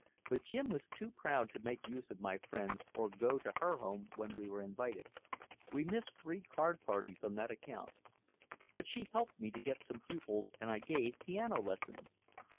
But Jim was too proud to make use of my friends or go to her home when we were invited. We missed three card parties on that account. But she helped me get some pupils and I gave piano lessons.